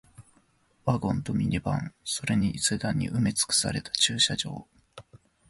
ワゴンとミニバン、それにセダンに埋め尽くされた駐車場